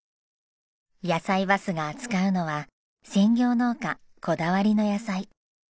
やさいバスが扱うのは専業農家こだわりの野菜。